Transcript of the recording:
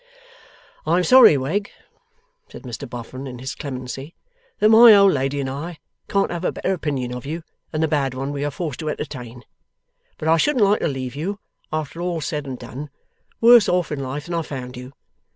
'I am sorry, Wegg,' said Mr Boffin, in his clemency, 'that my old lady and I can't have a better opinion of you than the bad one we are forced to entertain. But I shouldn't like to leave you, after all said and done, worse off in life than I found you.